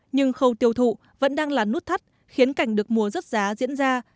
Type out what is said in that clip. nhưng khâu tiêu thụ vẫn đang là nút thắt khiến cảnh được mùa rớt giá diễn ra